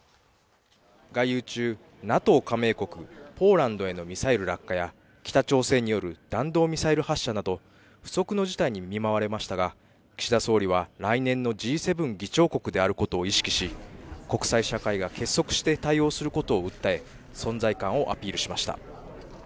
外遊中、ＮＡＴＯ加盟国・ポーランドへのミサイル落下や北朝鮮による弾道ミサイル発射など不測の事態に見舞われましたが岸田総理は来年のＧ７議長国であることを意識して国際社会が結束して対応することを訴え、存在感をアピールしました。